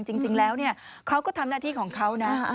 จริงแล้วเขาก็ทำหน้าที่ของเขานะ